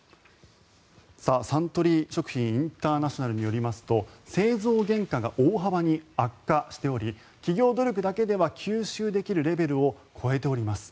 サントリー食品インターナショナルによりますと製造原価が大幅に悪化しており企業努力だけでは吸収できるレベルを超えております。